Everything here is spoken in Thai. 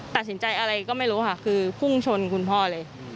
ตัดสินใจอะไรก็ไม่รู้ค่ะคือพุ่งชนคุณพ่อเลย